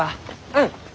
うん。